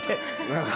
何か。